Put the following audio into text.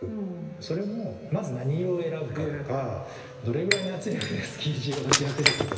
それもまず何色を選ぶかとかどれぐらいの圧力でスキージを押し当てるかとか。